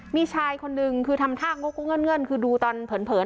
มีชายคนนึงคือทำท่างดกงนะเงิ่นคือดูตอนเผินเผิน